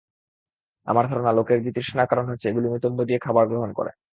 আমার ধারণা লোকের বিতৃষ্ণার কারণ হচ্ছে এগুলো নিতম্ব দিয়ে খাবার গ্রহণ করে।